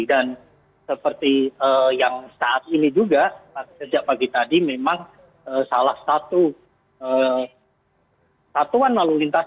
seperti yang saat ini juga sejak pagi tadi memang salah satu satuan lalu lintas